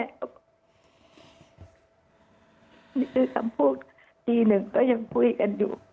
นี่คือคำพูดตีหนึ่งก็ยังคุยกันอยู่